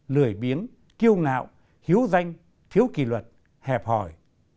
lười biến kiêu ngạo hiếu danh thiếu kỷ luật hẹp hỏi